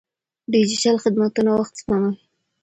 ډیجیټل خدمتونه وخت سپموي.